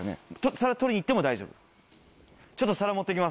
皿取りに行っても大丈夫？